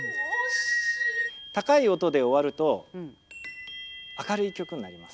高い音で終わると明るい曲になります。